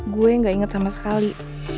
gue gak inget sama sekali